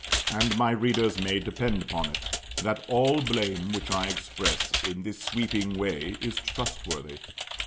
And my readers may depend upon it, that all blame which I express in this sweeping way is trustworthy.